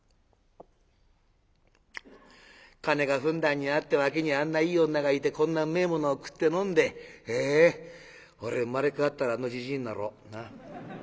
「カネがふんだんにあって脇にあんないい女がいてこんなうめえものを食って飲んでえ俺生まれ変わったらあのじじいになろう。な？